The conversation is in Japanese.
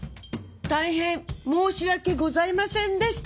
たいへん申し訳ございませんでした。